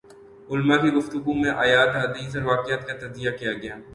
علماء کی گفتگو میں آیات ، احادیث اور واقعات کا تجزیہ کیا گیا